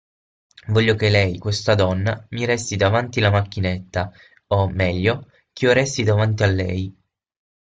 Voglio che lei, questa donna, mi resti davanti la macchinetta, o, meglio, ch'io resti davanti a lei.